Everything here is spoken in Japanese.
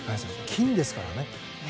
金ですからね。